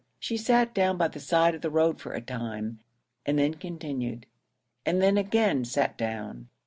She sat down by the side of the road for a time, and then continued; and then again sat down.